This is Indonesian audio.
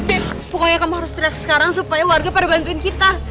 pokoknya kamu harus teriak sekarang supaya warga pada bantuin kita